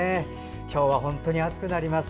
今日は本当に暑くなります。